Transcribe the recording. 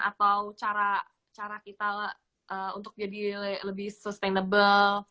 atau cara kita untuk jadi lebih sustainable